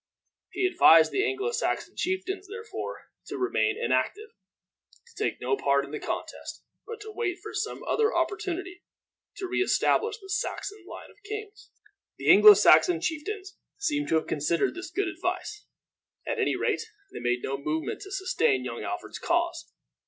He advised the Anglo Saxon chieftains, therefore, to remain inactive, to take no part in the contest, but to wait for some other opportunity to re establish the Saxon line of kings. The Anglo Saxon chieftains seem to have considered this good advice. At any rate, they made no movement to sustain young Alfred's cause.